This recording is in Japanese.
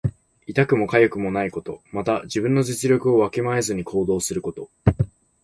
痛くもかゆくもないこと。また、自分の実力をわきまえずに行動すること。